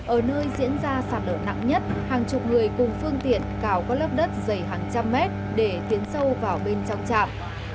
ở nơi diễn ra sạt lở nặng nhất hàng chục người cùng phương tiện cào các lớp đất dày hàng trăm mét để tiến sâu vào bên trong trạm